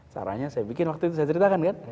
caranya saya bikin waktu itu saya ceritakan kan